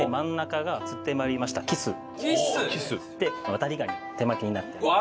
渡りガニの手巻きになっています。